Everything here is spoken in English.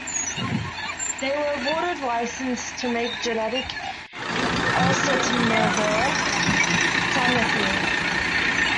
They were awarded license to make generic oseltamivir - Tamiflu.